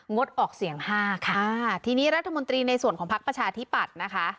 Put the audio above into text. งดออกเสียงห้าค่ะอ่าทีนี้รัฐมนตรีในส่วนของพักประชาธิปัตย์นะคะ